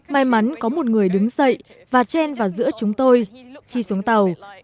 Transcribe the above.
may mắn có một người đứng dậy và chen vào giữa chúng tôi khi xuống tàu